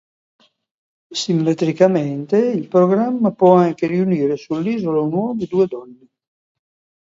Simmetricamente, il programma può anche riunire sull'isola un uomo e due donne.